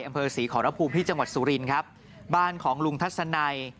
อำเภอศรีขอรภูมิที่จังหวัดสุรินครับบ้านของลุงทัศนัย